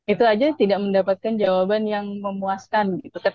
itu aja tidak mendapatkan jawaban yang memuaskan